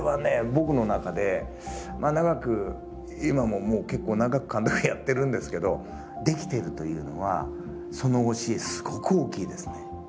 僕の中で長く今も結構長く監督やってるんですけどできてるというのはその教えすごく大きいですね。